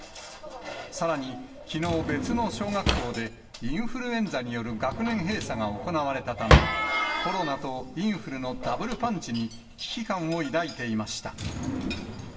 さらに、きのう別の小学校で、インフルエンザによる学年閉鎖が行われたため、コロナとインフルのダブルパンチに危機感を抱いていました。